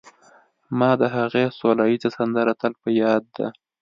ما د هغې سوله ييزه سندره تل په ياد ده